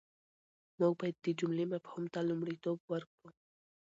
موږ بايد د جملې مفهوم ته لومړیتوب ورکړو.